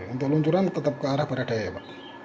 untuk luncuran tetap ke arah barat daya pak